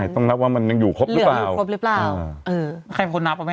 ต้องนับว่ามันอยู่ครบหรือเปล่า